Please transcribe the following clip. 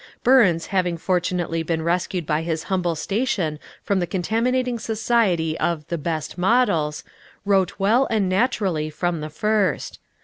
Burns having fortunately been rescued by his humble station from the contaminating society of the "Best models," wrote well and naturally from the first.